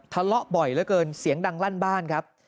ทะเลาะบ่อยเหลือเกินเสียงดังลั่นบ้านครับ